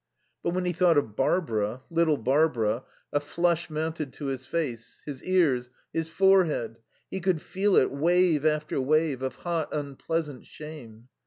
But when he thought of Barbara, little Barbara, a flush mounted to his face, his ears, his forehead; he could feel it wave after wave of hot, unpleasant shame.